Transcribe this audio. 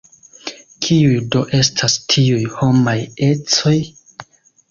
Kiuj do estas tiuj homaj ecoj?